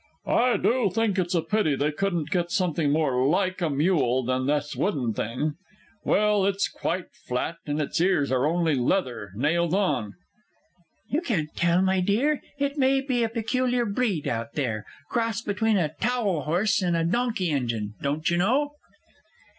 I do think it's a pity they couldn't get something more like a mule than this wooden thing! Why, it's quite flat, and its ears are only leather, nailed on!... You can't tell, my dear; it may be a peculiar breed out there cross between a towel horse and a donkey engine, don't you know!